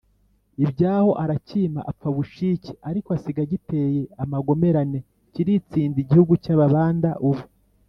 ibyaho, aracyima apfa bucike; ariko asiga agiteye amagomerane, kiritsinda. igihugu cy’ababanda ubu